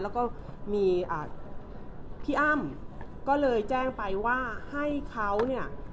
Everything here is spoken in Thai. แล้วก็มีพี่อ้ำก็เลยแจ้งไปว่าให้เขาเนี่ย